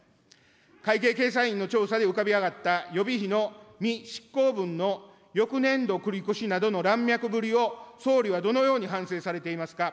会計検査院の調査で浮かび上がった、予備費の未執行分の翌年度繰り越しなどの乱脈ぶりを総理はどのように反省されていますか。